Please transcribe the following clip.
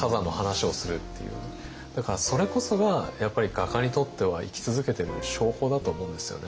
だからそれこそがやっぱり画家にとっては生き続けてる証拠だと思うんですよね。